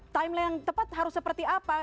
timeline yang tepat harus seperti apa